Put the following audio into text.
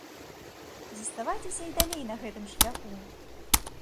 Заставайцеся і далей на гэтым шляху!